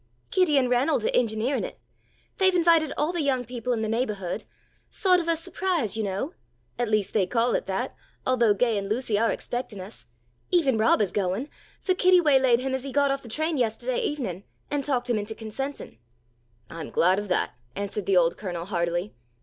Kitty and Ranald are engineering it. They've invited all the young people in the neighbourhood sawt of a surprise you know. At least they call it that, although Gay and Lucy are expecting us. Even Rob is going, for Kitty waylaid him as he got off the train yestahday evening, and talked him into consenting." "I'm glad of that," answered the old Colonel heartily.